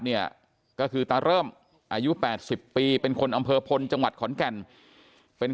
เนี่ยก็คือตาเริ่มอายุ๘๐ปีเป็นคนอำเภอพลจังหวัดขอนแก่นเป็น